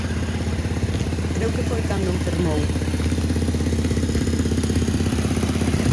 Creo que foi cando enfermou.